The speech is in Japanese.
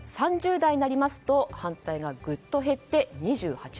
３０代になりますと反対がぐっと減って２８％。